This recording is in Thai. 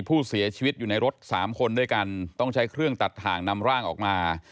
ผู้เสียชีวิตอยู่ในรถสามคนด้วยกันต้องใช้เครื่องตัดถ่างนำร่างออกมา